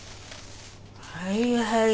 はいはい。